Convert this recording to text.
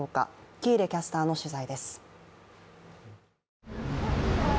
喜入キャスターの取材です。